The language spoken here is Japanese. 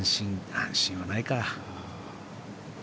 安心はないか。